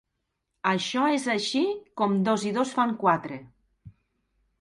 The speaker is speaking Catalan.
Això és així, com dos i dos fan quatre!